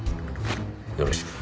よろしく。